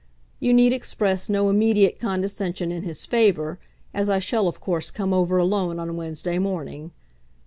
You need express no immediate condescension in his favour, as I shall of course come over alone on Wednesday morning.